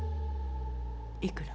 いくら？